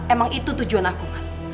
emang itu tujuan aku mas